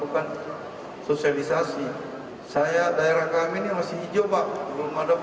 yang diadakan senin siang